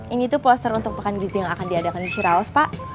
ini tuh poster untuk pekan gizi yang akan diadakan di shiraos pak